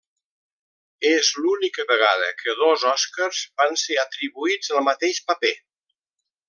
És l'única vegada que dos Oscars van ser atribuïts al mateix paper.